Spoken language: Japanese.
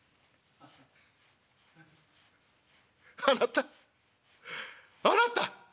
「『あなたあなた！